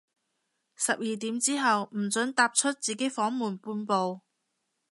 十二點之後，唔准踏出自己房門半步